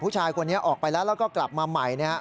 ผู้ชายคนนี้ออกไปแล้วแล้วก็กลับมาใหม่